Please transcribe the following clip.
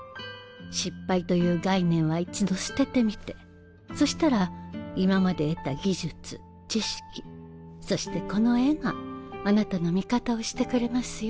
失敗という概念は一度捨ててみてそしたら今まで得た技術知識そしてこの絵があなたの味方をしてくれますよ。